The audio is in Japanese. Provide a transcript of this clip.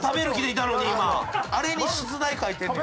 あれに出題書いてんねや。